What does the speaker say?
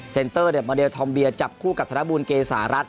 เซนเตอร์มอเดลทอมเบียร์จับคู่กับธนบูรเกสหรัฐ